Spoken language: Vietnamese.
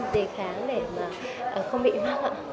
đề kháng để mà không bị mắc ạ